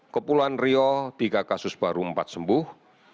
kepulauan riau tiga kasus baru dan empat sembuh